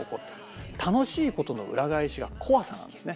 楽しいことの裏返しが怖さなんですね。